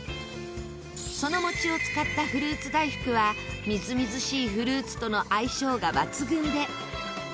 その餅を使ったフルーツ大福はみずみずしいフルーツとの相性が抜群で。